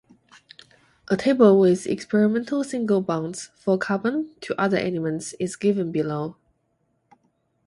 A table with experimental single bonds for carbon to other elements is given below.